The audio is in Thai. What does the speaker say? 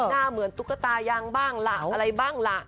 หน้าเหมือนตุ๊กตายางบ้างล่ะอะไรบ้างล่ะ